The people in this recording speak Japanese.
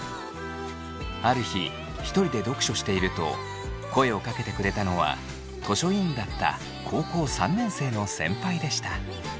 ある日ひとりで読書していると声をかけてくれたのは図書委員だった高校３年生の先輩でした。